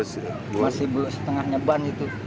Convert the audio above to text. masih belum setengahnya ban itu